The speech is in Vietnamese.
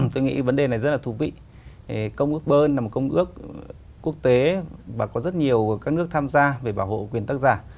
tôi nghĩ vấn đề này rất là thú vị công ước bơn là một công ước quốc tế và có rất nhiều các nước tham gia về bảo hộ quyền tác giả